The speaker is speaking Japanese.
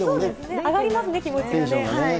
上がりますね、気持ちがね。